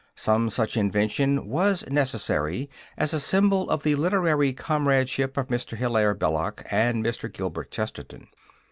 Some such invention was necessary as a symbol of the literary comradeship of Mr. Hilaire Belloc and Mr. Gilbert Chesterton.